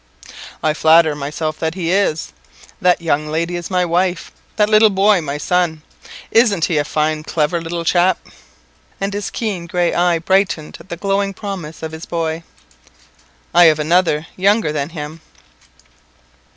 "I flatter myself that he is. That young lady is my wife that little boy my son. Isn't he a fine clever little chap?" and his keen grey eye brightened at the growing promise of his boy. "I have another younger than him."